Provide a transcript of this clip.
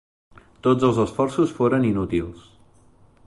Tots els esforços foren inútils.